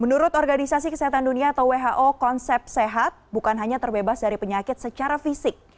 menurut organisasi kesehatan dunia atau who konsep sehat bukan hanya terbebas dari penyakit secara fisik